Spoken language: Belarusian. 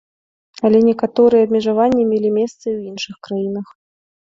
Але некаторыя абмежаванні мелі месца і ў іншых краінах.